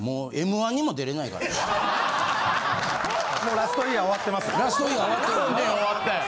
ラストイヤー終わってます。